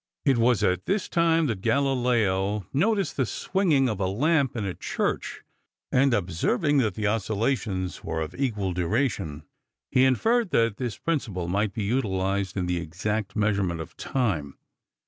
It was at this time that Galileo noticed the swinging of a lamp in a church, and, observing that the oscillations were of equal duration, he inferred that this principle might be utilized in the exact measurement of time.